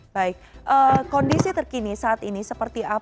baik kondisi terkini saat ini seperti apa